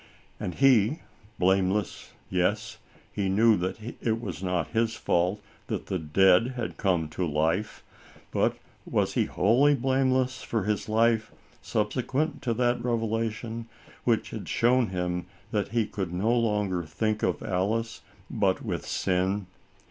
And he: blameless; yes, he knew that it was not his fault, that the dead had come to life, but, was he wholly blameless for his life, subsequent to that revelation, which had shown him that he could no longer think of Alice, but with sin